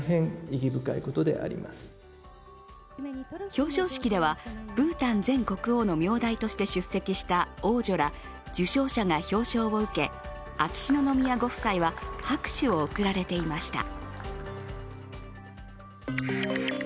表彰式ではブータン前国王の名代として出席した王女ら受賞者が表彰を受け、秋篠宮ご夫妻は拍手を送られていました。